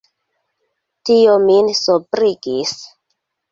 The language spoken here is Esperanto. Tio min sobrigis.